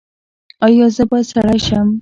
ایا زه باید سړی شم؟